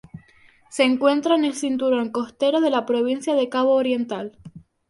Se encuentra en el cinturón costero de la provincia de Cabo Oriental.